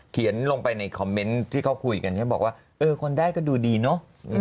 เขียนลงไปในคอมเมนต์ที่เขาคุยกันใช่ไหมบอกว่าเออคนได้ก็ดูดีเนอะ